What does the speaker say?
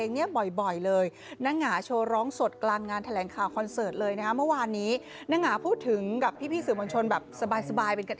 มึงช่อยฟังให้ความชื่นเว้ย